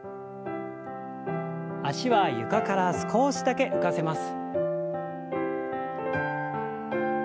脚は床から少しだけ浮かせます。